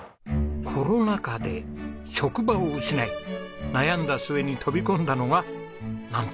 コロナ禍で職場を失い悩んだ末に飛び込んだのがなんとチーズの世界。